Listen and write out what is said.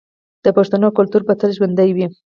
د پښتنو کلتور به تل ژوندی وي.